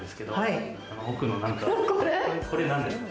これなんですか？